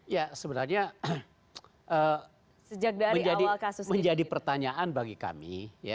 ya sebenarnya menjadi pertanyaan bagi kami